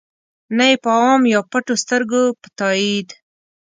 نه ېې په عام یا پټو سترګو په تایید.